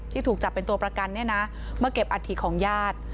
ที่ถูกจับเป็นตัวประกันมาเก็บอาทิของญาติ